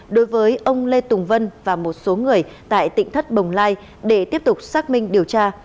đối với ông lê tùng vân và một số người tại tỉnh thất bồng lai để tiếp tục xác minh điều tra